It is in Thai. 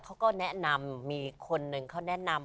เขาก็แนะนำมีคนหนึ่งเขาแนะนำ